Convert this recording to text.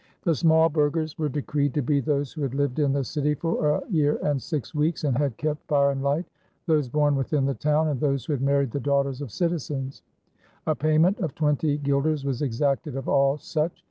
The small burghers were decreed to be those who had lived in the city for a year and six weeks and had kept fire and light, those born within the town, and those who had married the daughters of citizens. A payment of twenty guilders was exacted of all such.